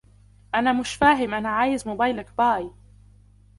انا مش فاهم انا عايز موبيلك باي